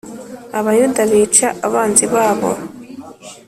Abayuda bica abanzi babo